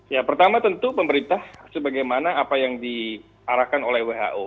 ya pertama tentu pemerintah sebagaimana apa yang diarahkan oleh who